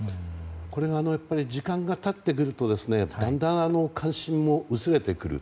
これが、時間が経ってくるとだんだん関心も薄れてくる。